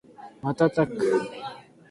瞬く